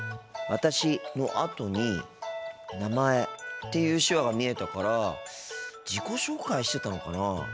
「私」のあとに「名前」っていう手話が見えたから自己紹介してたのかなあ。